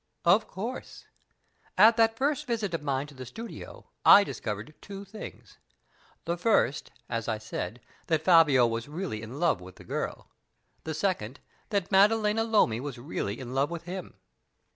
"Of course. At that first visit of mine to the studio I discovered two things. The first, as I said, that Fabio was really in love with the girl the second, that Maddalena Lomi was really in love with him.